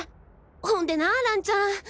ほんでな蘭ちゃん。